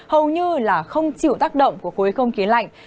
hầu như không chịu tác động của khối không khí lạnh